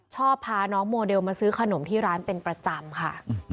ชอบพาน้องโมเดลมาซื้อขนมที่ร้านเป็นประจำค่ะ